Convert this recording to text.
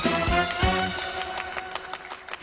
え